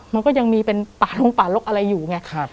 มันก็ยังมีเป็นป่าลงป่าลกอะไรอยู่ไง